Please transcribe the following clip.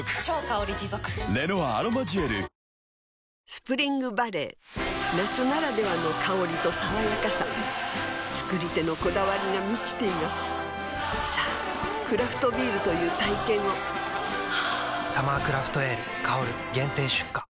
スプリングバレー夏ならではの香りと爽やかさ造り手のこだわりが満ちていますさぁクラフトビールという体験を「サマークラフトエール香」限定出荷